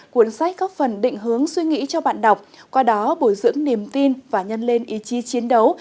cuốn sách góp phần định hướng suy nghĩ cho bạn đọc qua đó bồi dưỡng niềm tin và nhân lên ý chí chiến đấu